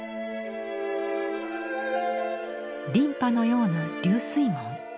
琳派のような流水文。